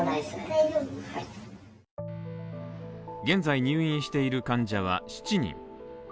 現在入院している患者は７人。